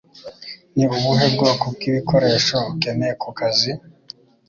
Ni ubuhe bwoko bw'ibikoresho ukeneye ku kazi?